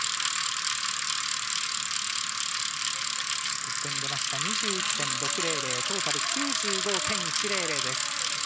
得点が出ました２１．６００、トータル９５．１００です。